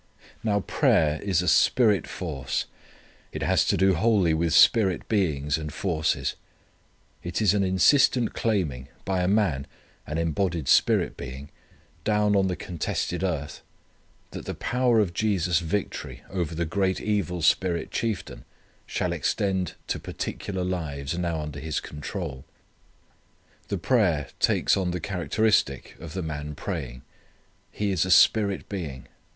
Now prayer is a spirit force, it has to do wholly with spirit beings and forces. It is an insistent claiming, by a man, an embodied spirit being, down on the contested earth, that the power of Jesus' victory over the great evil spirit chieftain shall extend to particular lives now under his control. The prayer takes on the characteristic of the man praying. He is a spirit being.